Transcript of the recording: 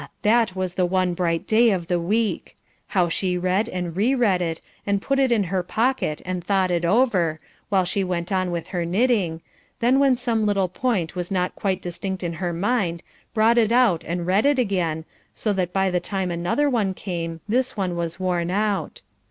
that was the one bright day of the week; how she read and re read it, and put it in her pocket and thought it over, while she went on with her knitting, then when some little point was not quite distinct in her mind, brought it out and read it again, so that by the time another one came this one was worn out.